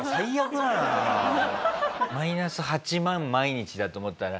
マイナス８万毎日だと思ったら。